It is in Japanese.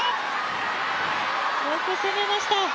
よく攻めました。